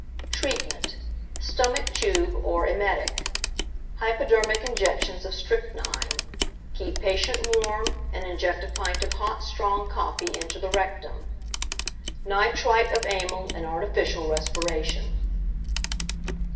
Treatment. Stomach tube or emetic. Hypodermic injections of strychnine. Keep patient warm, and inject a pint of hot strong coffee into the rectum. Nitrite of amyl and artificial respiration.